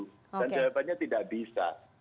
dan jawabannya tidak bisa